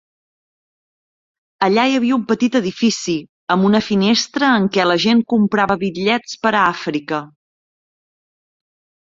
Allà hi havia un petit edifici, amb una finestra en què la gent comprava bitllets per a Àfrica.